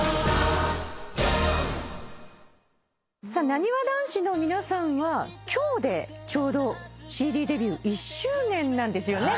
なにわ男子の皆さんは今日でちょうどＣＤデビュー１周年なんですよね。